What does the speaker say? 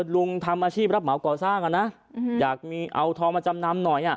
ลุงทำอาชีพรับเหมาก่อสร้างอ่ะนะอยากมีเอาทองมาจำนำหน่อย